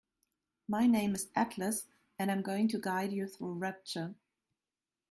My name is Atlas and I'm going to guide you through Rapture.